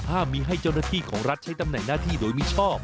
ห้ามมีให้เจ้าหน้าที่ของรัฐใช้ตำแหน่งหน้าที่โดยมิชอบ